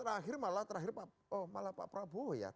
terakhir malah terakhir malah pak prabowo ya